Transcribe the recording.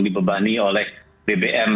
dibebani oleh bbm